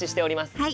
はい。